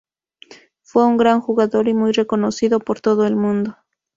Fue un gran jugador y muy reconocido por todo el mundo.